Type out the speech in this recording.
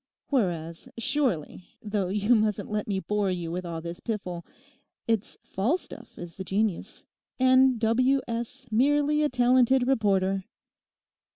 Whereas, surely, though you mustn't let me bore you with all this piffle, it's Falstaff is the genius, and W. S. merely a talented reporter.